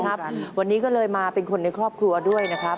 วันนี้ก็เลยมาเป็นคนในครอบครัวด้วยนะครับ